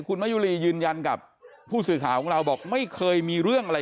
คุณมะยุรียืนยันกับผู้สื่อข่าวของเราบอกไม่เคยมีเรื่องอะไร